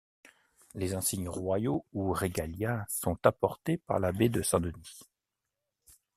Les insignes royaux ou regalia sont apportés par l'abbé de Saint-Denis.